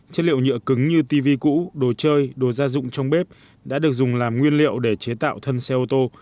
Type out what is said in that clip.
chất liệu nhựa cứng như tv cũ đồ chơi đồ gia dụng trong bếp đã được dùng làm nguyên liệu để chế tạo thân xe ô tô